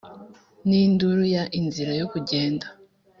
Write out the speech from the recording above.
n'induru ya "inzira yo kugenda!"?